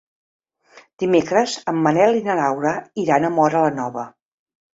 Dimecres en Manel i na Laura iran a Móra la Nova.